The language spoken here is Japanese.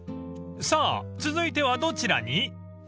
［さあ続いてはどちらに？］